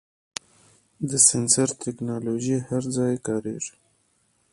د سنسر ټکنالوژي هر ځای کارېږي.